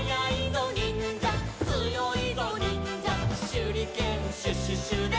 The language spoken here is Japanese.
「しゅりけんシュシュシュで」